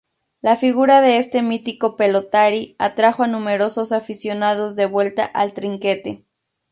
La figura de este mítico pelotari atrajo a numerosos aficionados de vuelta al trinquete.